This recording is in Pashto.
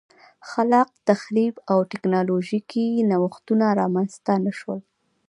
خلاق تخریب او ټکنالوژیکي نوښتونه رامنځته نه شول